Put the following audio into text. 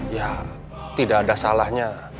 ya tidak ada salahnya